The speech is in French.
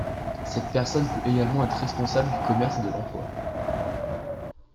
Cette personne peut également être responsable du commerce et de l'emploi.